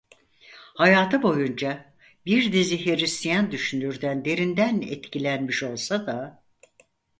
Hayatı boyunca bir dizi Hıristiyan düşünürden derinden etkilenmiş olsa da…